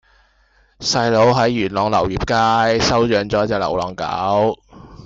細佬喺元朗流業街收養左一隻流浪狗